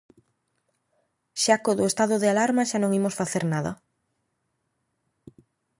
Xa co do estado de alarma xa non imos facer nada.